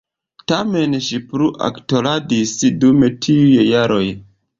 Tamen, ŝi plu aktoradis dum tiuj jaroj.